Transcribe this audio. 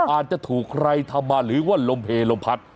อาจจะถูกใครทำมาหรือว่าลมเพลลมพัด